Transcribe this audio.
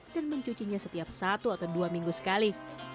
dan mencucinya setiap satu atau dua minggu sekali